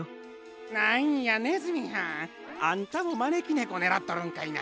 なんやねずみはんあんたもまねきねこねらっとるんかいな。